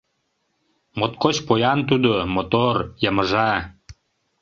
Моткоч поян тудо, Мотор, йымыжа.